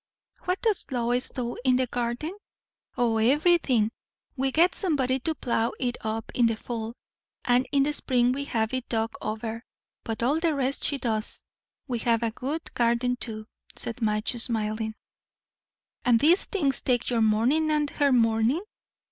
"What does Lois do in the garden?" "O, everything. We get somebody to plough it up in the fall; and in the spring we have it dug over; but all the rest she does. We have a good garden too," said Madge, smiling. "And these things take your morning and her morning?"